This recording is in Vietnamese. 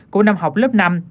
cuối năm học lớp năm